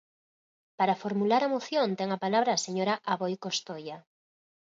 Para formular a moción ten a palabra a señora Aboi Costoia.